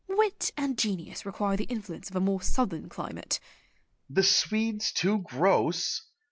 Wit and genius require the influence of a more southern climate. Oxenstiern. The Swedes too gross!